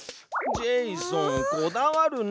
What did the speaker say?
ジェイソンこだわるね。